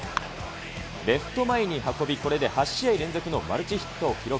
レフト前に運び、これで８試合連続のマルチヒットを記録。